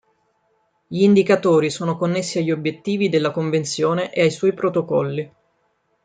Gli indicatori sono connessi agli obiettivi della Convenzione e ai suoi protocolli.